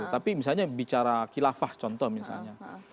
tapi misalnya bicara kilafah contoh misalnya